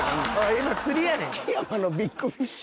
今釣りやねん。